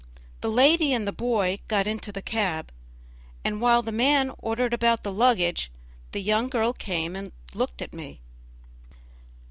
The lady and the boy got into the cab, and while the man ordered about the luggage the young girl came and looked at me.